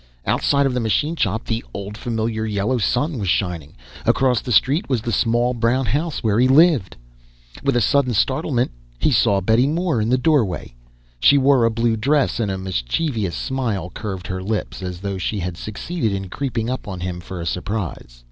Outside of the machine shop, the old, familiar yellow sun was shining. Across the street was the small brown house, where he lived. With a sudden startlement, he saw Betty Moore in the doorway. She wore a blue dress, and a mischievous smile curved her lips. As though she had succeeded in creeping up on him, for a surprise.